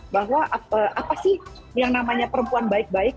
bahwa apa sih yang namanya perempuan baik baik